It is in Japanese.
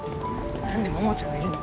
何で桃ちゃんがいるの？